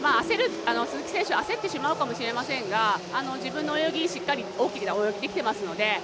鈴木選手焦ってしまうかもしれませんが自分の泳ぎ、しっかり大きな泳ぎできてますので。